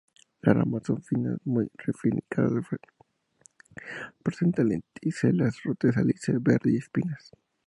Las ramas son finas, muy ramificadas, presenta lenticelas, corteza lisa, verde, sin espinas.